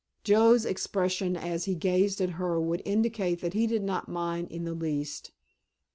Joe's expression as he gazed at her would indicate that he did not mind in the least.